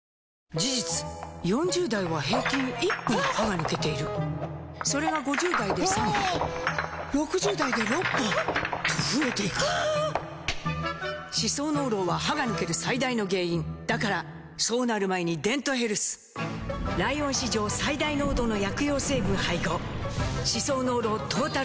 事実４０代は平均１本歯が抜けているそれが５０代で３本６０代で６本と増えていく歯槽膿漏は歯が抜ける最大の原因だからそうなる前に「デントヘルス」ライオン史上最大濃度の薬用成分配合歯槽膿漏トータルケア！